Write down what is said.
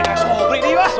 pak sobri bahagia